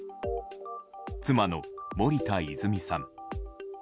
妻の森田泉さん。